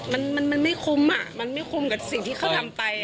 มันมันไม่คุ้มอ่ะมันไม่คุ้มกับสิ่งที่เขาทำไป